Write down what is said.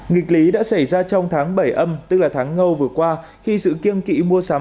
nghịch lý đã xảy ra trong tháng bảy âm tức là tháng ngâu vừa qua khi sự kiêng kỵ mua sắm